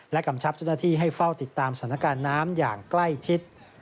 กำชับเจ้าหน้าที่ให้เฝ้าติดตามสถานการณ์น้ำอย่างใกล้ชิด